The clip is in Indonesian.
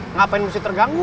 ngapain mesti terganggu